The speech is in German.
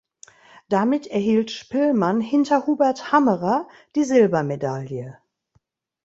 Damit erhielt Spillmann hinter Hubert Hammerer die Silbermedaille.